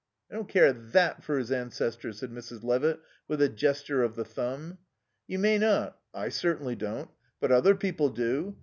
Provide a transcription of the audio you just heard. "I don't care that for his ancestors," said Mrs. Levitt with a gesture of the thumb. "You may not. I certainly don't. But other people do.